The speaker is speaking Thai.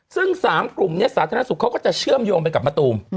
ซึ่ง๓กลุ่มนี้สาธารณสุขเขาก็จะเชื่อมโยงไปกับมะตูม